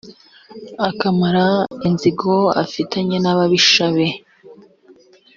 akamara inzigo afitanye n’ababisha be.